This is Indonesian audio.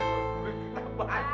kita banyak bu